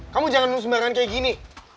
kamu jangan sembarangan kayak gini